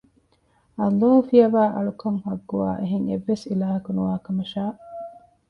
ﷲ ފިޔަވައި އަޅުކަން ޙައްޤުވާ އެހެން އެއްވެސް އިލާހަކު ނުވާކަމަށާ